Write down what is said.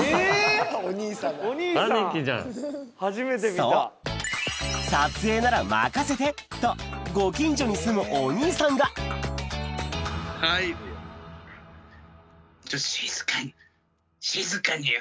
そう「撮影なら任せて！」とご近所に住むお兄さんが静かに静かによ。